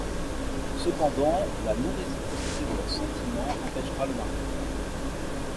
Cependant, la non réciprocité de leurs sentiments empêchera le mariage.